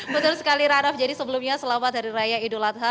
betul sekali rano jadi sebelumnya selamat hari raya idul adha